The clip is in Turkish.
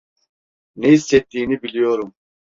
Ne hissettiğini biliyorum.